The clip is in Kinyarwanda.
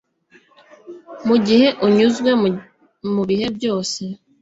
mugihe unyuze mubihe byose